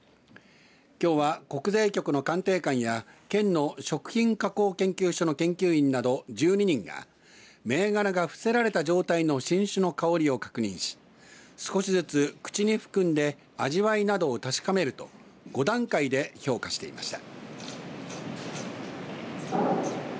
きょうは国税局の鑑定官や県の食品加工研究所の研究員など１２人が銘柄が伏せられた状態の新酒の香りを確認し少しずつ口に含んで味わいなどを確かめると５段階で評価していました。